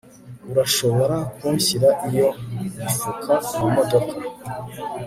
Urashobora kunshyira iyo mifuka mumodoka